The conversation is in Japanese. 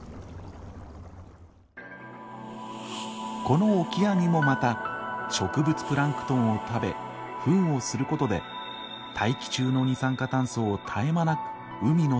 このオキアミもまた植物プランクトンを食べフンをすることで大気中の二酸化炭素を絶え間なく海の底に送っている。